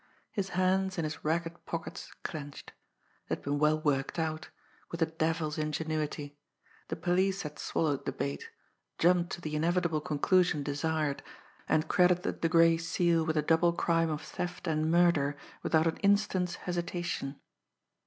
His hands in his ragged pockets clenched. It had been well worked out with a devil's ingenuity. The police had swallowed the bait, jumped to the inevitable conclusion desired, and credited the Gray Seal with the double crime of theft and murder without an instant's hesitation.